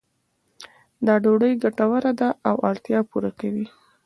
دا ډوډۍ ګټوره ده او اړتیا پوره کوي.